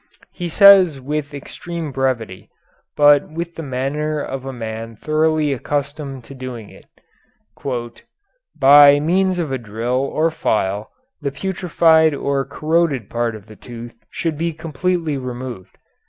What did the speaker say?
He says it with extreme brevity, but with the manner of a man thoroughly accustomed to doing it. "By means of a drill or file the putrefied or corroded part of the tooth should be completely removed.